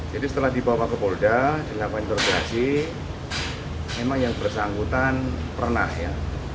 setelah dibawa ke polda dilakukan interpelasi memang yang bersangkutan pernah ya